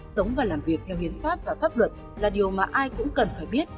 sống và làm việc theo hiến pháp và pháp luật là điều mà ai cũng cần phải biết